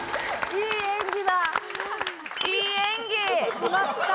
いい演技。